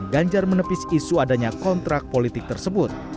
ganjar menepis isu adanya kontrak politik tersebut